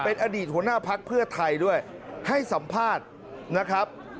เป็นอดีตหัวหน้าพักเพื่อไทยด้วยให้สัมภาษณ์นะครับ